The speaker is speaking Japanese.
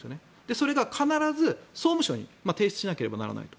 それが総務省に提出しなければならないと。